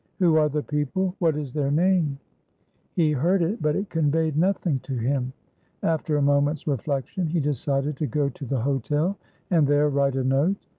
"Who are the people? What is their name?" He heard it, but it conveyed nothing to him. After a moment's reflection, he decided to go to the hotel, and there write a note.